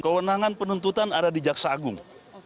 kewenangan penuntutan ada di jaksa agung